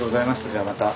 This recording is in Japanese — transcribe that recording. じゃあまた。